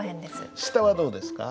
下はどうですか？